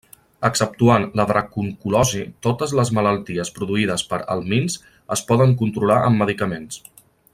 Exceptuant la dracunculosi, totes les malalties produïdes per helmints es poden controlar amb medicaments.